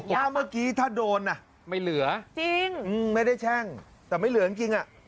ถ้าเมื่อกี้ถ้าโดนอ่ะไม่เหลือจริงไม่ได้แช่งแต่ไม่เหลือจริงอ่ะ